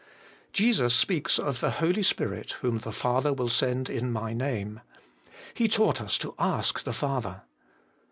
Jesus speaks of ' the Holy Spirit, whom the Father will send in my Name.' He taught us to ask the Father.